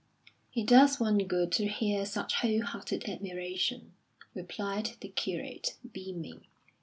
"It does one good to hear such whole hearted admiration," replied the curate, beaming.